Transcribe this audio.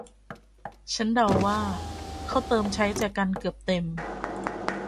ฉันเดาว่าเขาเติมใช้แจกันเกือบเต็ม